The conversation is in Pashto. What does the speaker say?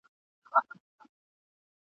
ورته پام سو پر سړک د څو هلکانو !.